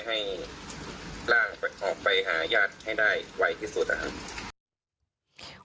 ให้ร่างออกไปหาญาติให้ได้ไวที่สุดนะครับ